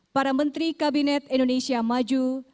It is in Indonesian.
para menteri kabinet indonesia maju